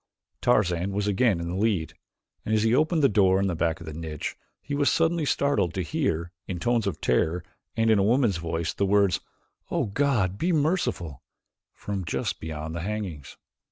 Tarzan was again in the lead, and as he opened the door in the back of the niche, he was suddenly startled to hear, in tones of terror and in a woman's voice, the words: "O God, be merciful" from just beyond the hangings.